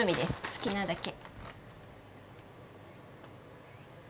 好きなだけ。